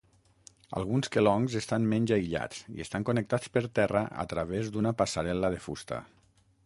Alguns kelongs estan menys aïllats i estan connectats per terra a través d'una passarel·la de fusta.